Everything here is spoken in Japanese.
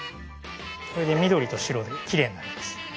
緑と白できれいになります。